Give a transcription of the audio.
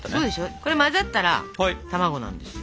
これ混ざったら卵なんですよ。